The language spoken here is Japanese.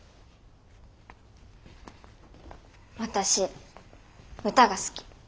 私歌が好き。